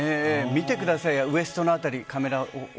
見てください、ウエストの辺り。